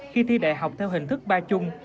khi thi đại học theo hình thức ba chung